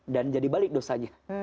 dan jadi balik dosanya